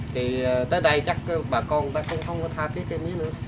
thì tới đây chắc bà con cũng không có tha thiết cái mía nữa